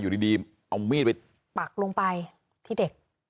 อยู่ดีเอามีดไปปักลงไปที่เด็ก